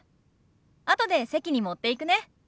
あとで席に持っていくね。